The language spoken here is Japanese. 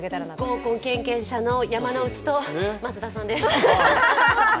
合コン経験者の山内と、松田さんです。